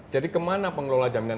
jadi kemana pengelola jaminan